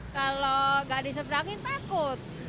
kalau nggak diseberangin takut